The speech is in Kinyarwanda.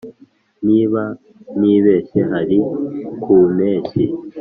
niba ntibeshye hari ku mpeshyi